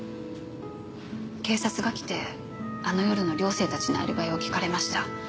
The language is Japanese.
警察が来てあの夜の寮生たちのアリバイを聞かれました。